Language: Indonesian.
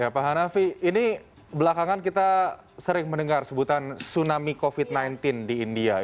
pak hanafi ini belakangan kita sering mendengar sebutan tsunami covid sembilan belas di india